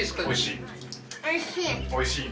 おいしい。